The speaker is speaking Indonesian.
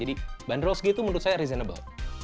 jadi bandrol segitu menurut saya reasonable